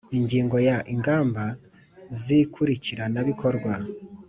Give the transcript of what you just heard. Ingingo ya Ingamba z ikurikiranabikorwa